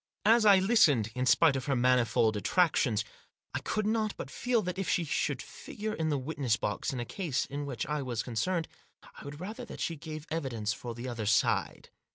As I listened, in spite of her manifold attractions, I could not but feel that if she should figure in the witness box, in a case in which I was concerned, I would rather that she gave evidence for the other side.